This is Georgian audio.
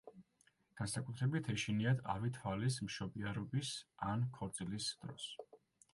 განსაკუთრებით ეშინიათ ავი თვალის მშობიარობის ან ქორწილის დროს.